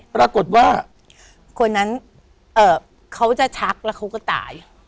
ปรากฏว่าคนนั้นเขาจะชักแล้วเขาก็ตาย